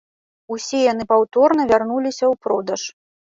Усе яны паўторна вярнуліся ў продаж.